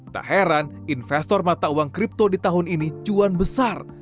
tak heran investor mata uang kripto di tahun ini cuan besar